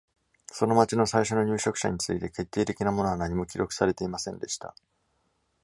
その町の最初の入植者について決定的なものは何も記録されていませんでした。